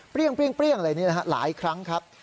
เปรี้ยงอะไรนี่นะฮะหลายครั้งครับ